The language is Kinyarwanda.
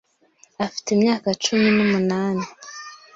Afite imyaka cumi n'umunani.